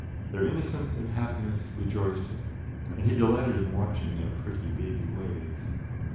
Their innocence and happiness rejoiced him, and he delighted in watching their pretty baby ways.